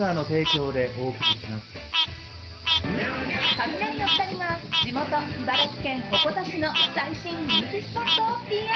［カミナリの２人が地元茨城県鉾田市の最新人気スポットをＰＲ］